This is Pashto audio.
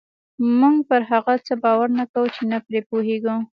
موږ پر هغه څه باور نه کوو چې نه پرې پوهېږو.